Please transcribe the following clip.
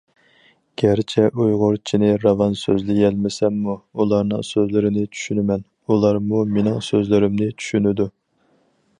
گەرچە ئۇيغۇرچىنى راۋان سۆزلىيەلمىسەممۇ ئۇلارنىڭ سۆزلىرىنى چۈشىنىمەن، ئۇلارمۇ مېنىڭ سۆزلىرىمنى چۈشىنىدۇ.